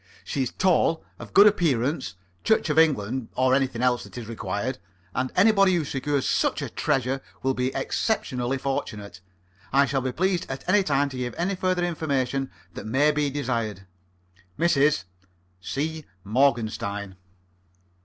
She is tall, of good appearance, Church of England (or anything else that is required), and anybody who secures such a treasure will be exceptionally fortunate. I shall be pleased at any time to give any further information that may be desired. "(Mrs.) C. MORGENSTEIN."